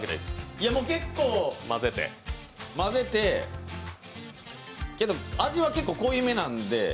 もう結構混ぜて味は結構濃いめなんで。